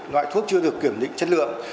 loại thuốc chưa được kiểm định chất lượng